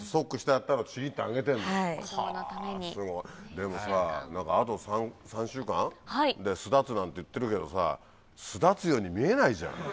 でもさあと３週間で巣立つなんて言ってるけどさ巣立つように見えないじゃん。